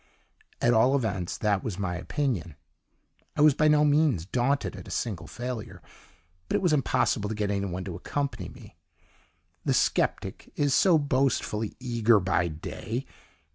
At all events, that was my opinion. I was by no means daunted at a single failure. But it was impossible to get any one to accompany me. The sceptic is so boastfully eager by day.